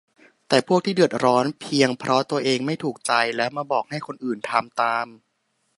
แต่พวกที่เดือดร้อนเพียงเพราะตัวเองไม่ถูกใจ แล้วมาบอกให้คนอื่นทำตาม